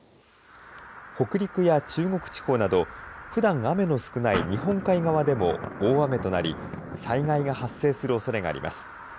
北陸や中国地方などふだん雨の少ない日本海側でも大雨となり、災害が発生するおそれがあります。